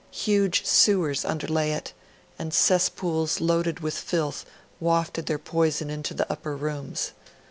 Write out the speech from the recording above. Huge sewers underlay it, and cesspools loaded with filth wafted their poison into the upper rooms.